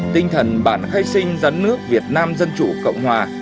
tinh thần bản khai sinh ra nước việt nam dân chủ cộng hòa